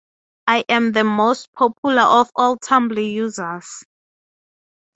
I am the most popular of all Tumblr users.